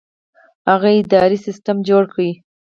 هغه اداري سیستم جوړ کړ.